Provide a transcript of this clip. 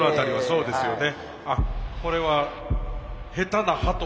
そうですね